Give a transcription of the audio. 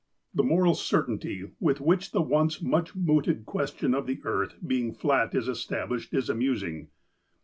The moral certainty with which the once much mooted question of the earth being fiat is established is amusing.